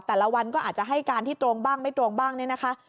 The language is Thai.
แต่ละวันก็อาจจะให้การที่ตรงบ้างไม่ตรงบ้างเนี่ยนะคะ